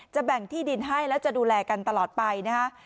แบ่งที่ดินให้แล้วจะดูแลกันตลอดไปนะฮะ